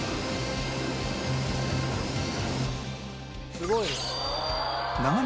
すごいね。